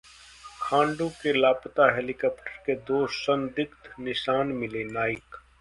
खांडू के लापता हेलीकॉप्टर के दो संदिग्ध निशान मिले: नाइक